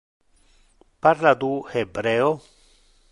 Parla tu hebreo?